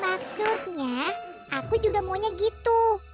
maksudnya aku juga maunya gitu